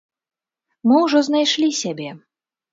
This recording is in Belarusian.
Мы ўжо знайшлі сябе.